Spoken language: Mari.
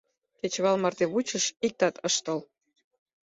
Кечывал марте вучыш — иктат ыш тол.